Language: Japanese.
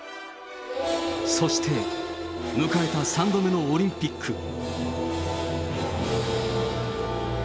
そして迎えた３度目のオリンピック。